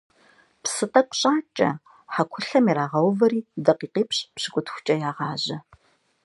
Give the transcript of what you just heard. Псы тӀэкӀу щӀакӀэ, хьэкулъэм ирагъэувэри, дакъикъипщӏ-пщыкӏутхукӀэ ягъажьэ.